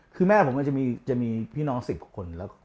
คือแม่ผมก็จะมีพี่น้อง๑๐คน